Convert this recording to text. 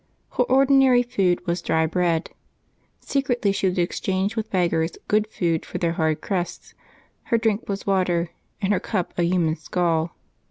Her ordinary food was dry bread. Secretly she would exchange with beggars good food for their hard crusts ; her drink was water, and her cup a human skull.